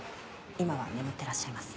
今は眠ってらっしゃいます。